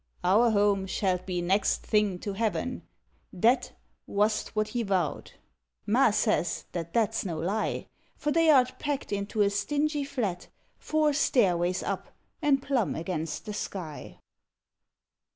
" Our home shalt be next thing to Heaven! " That Wast what he vowed. Ma says that that s no lie For they art packed into a stingy flat Four stairways up, and plumb against the sky!